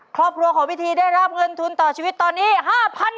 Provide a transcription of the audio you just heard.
ครอบครัวของพิธีได้รับเงินทุนต่อชีวิตตอนนี้๕๐๐๐บาท